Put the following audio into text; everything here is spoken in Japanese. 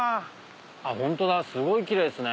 すごいキレイですね。